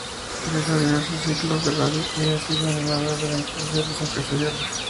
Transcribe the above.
Realizó diversos ciclos de radio y ha sido animador de eventos sociales y empresariales.